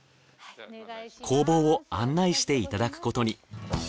工房を案内していただくことに。